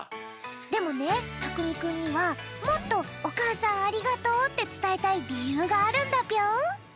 でもねたくみくんにはもっとおかあさんありがとうってつたえたいりゆうがあるんだぴょん！